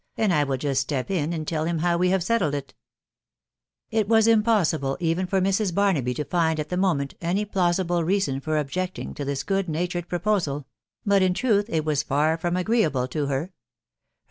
and T~ will* just step* in and teH him itow we hare settled it'' It was impossible even for Mrei Banmby to find 'aft the moment any placable reason fbr^bjeet&ng'totHis goodifiatured propoaali; bat, in' truth; it was far f rom agreeable * to her: Hen.